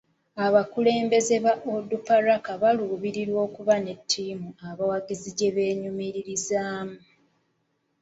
Abakulembeze ba Onduparaka baluubirira okuba ne ttiimu abawagizi gye beenyumirizaamu.